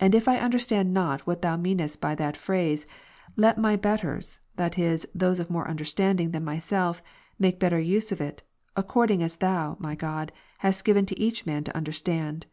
And if I understand not Avhat Thou meanest by that pln^ase, let my betters, that is, those of more understanding than myself, make better use of it, according as Thou, my God, hast given to each man to understand.